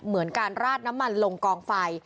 เหมือนการราดน้ำมันลงกองไฟ